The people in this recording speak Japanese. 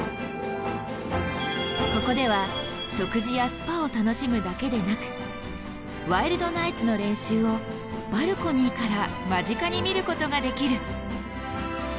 ここでは食事やスパを楽しむだけでなくワイルドナイツの練習をバルコニーから間近に見ることができる。